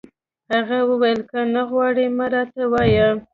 هغه وویل: که نه غواړي، مه راته وایه.